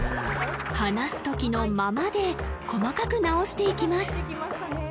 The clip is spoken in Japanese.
話すときの「間」まで細かく直していきます